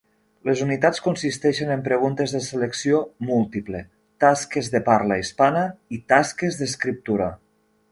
Les unitats consisteixen en preguntes de selecció múltiple, tasques de parla hispana, i tasques d’escriptura.